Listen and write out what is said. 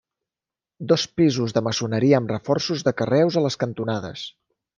Dos pisos de maçoneria amb reforços de carreus a les cantonades.